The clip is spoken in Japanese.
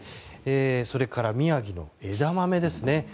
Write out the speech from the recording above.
それから宮城の枝豆ですね。